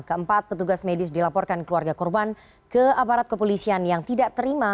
keempat petugas medis dilaporkan keluarga korban ke aparat kepolisian yang tidak terima